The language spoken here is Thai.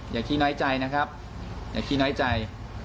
ขี้น้อยใจนะครับอย่าขี้น้อยใจ